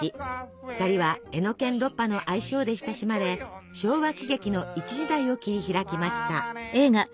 ２人はエノケン・ロッパの愛称で親しまれ昭和喜劇の一時代を切り開きました。